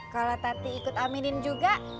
kalau tati ikut aminin juga